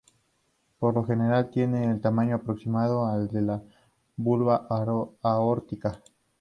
Por lo general tienen el tamaño aproximado al de la válvula aórtica.